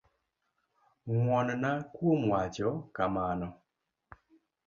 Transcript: Ngwonna kuom wacho kamano.